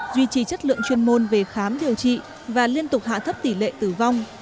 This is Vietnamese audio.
duy trì chất lượng chuyên môn về khám điều trị và liên tục hạ thấp tỷ lệ tử vong